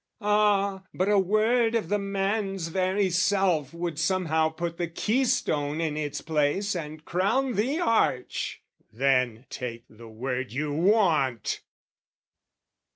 "Ah, but a word of the man's very self "Would somehow put the keystone in its place "And crown the arch!" Then take the word you want!